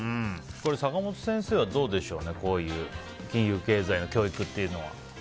坂本先生はどうでしょうねこういう金融経済の教育は。